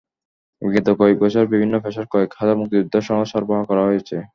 বিগত কয়েক বছরে বিভিন্ন পেশার কয়েক হাজার মুক্তিযোদ্ধা সনদ সরবরাহ করা হয়েছে।